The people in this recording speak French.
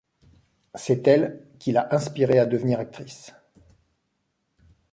C'est elle qui l'a inspirée à devenir actrice.